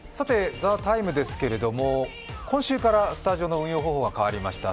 「ＴＨＥＴＩＭＥ，」ですけれども今週からスタジオの運用方法が変わりました。